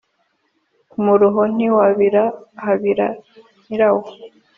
Umuruho ntiwabira habira nyirawo.